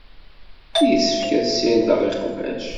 Yessefk ad ssirdeɣ iqbac.